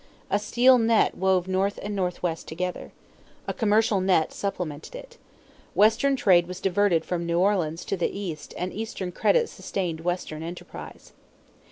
A steel net wove North and Northwest together. A commercial net supplemented it. Western trade was diverted from New Orleans to the East and Eastern credit sustained Western enterprise.